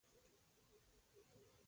څوک بايد دا حق ونه لري چې د تېرې زمانې.